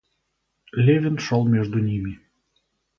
Левин шел между ними.